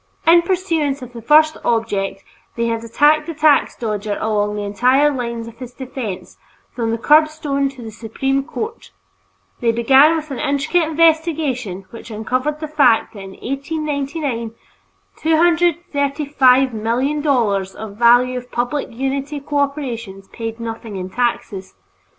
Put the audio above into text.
In pursuance of the first object, they had attacked the tax dodger along the entire line of his defense, from the curbstone to the Supreme Court. They began with an intricate investigation which uncovered the fact that in 1899, $235,000,000 of value of public utility corporations paid nothing in taxes.